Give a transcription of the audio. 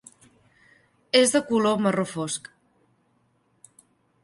És de color marró fosc.